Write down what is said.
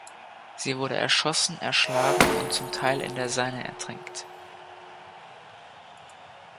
Sie wurden erschossen, erschlagen und zum Teil in der Seine ertränkt.